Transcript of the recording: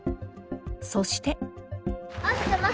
そして。